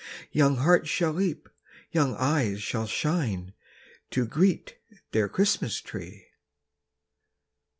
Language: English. Young hearts shall leap, young eyes shall shine To greet their Christmas tree!"